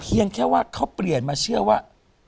แต่เพียงแค่เขาเปลี่ยนมาเชื่อว่า